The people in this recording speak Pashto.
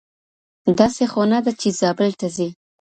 داســي خــو نــه ده چــي زابــل تــــه ځــــي